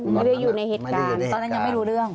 อยู่ในเหตุการณ์ตอนนั้นยังไม่รู้เรื่อง